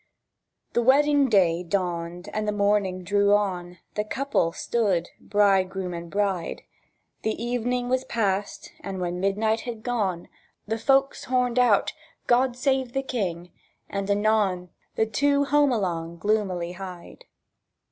The wedding day dawned and the morning drew on; The couple stood bridegroom and bride; The evening was passed, and when midnight had gone The folks horned out, "God save the King," and anon The two home along gloomily hied.